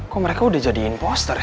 kok mereka udah jadi impostor ya